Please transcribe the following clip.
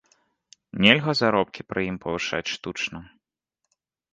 Нельга заробкі пры ім павышаць штучна.